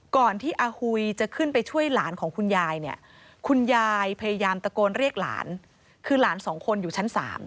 ก่อนที่อาหุยจะขึ้นไปช่วยหลานของคุณยายเนี่ยคุณยายพยายามตะโกนเรียกหลานคือหลานสองคนอยู่ชั้น๓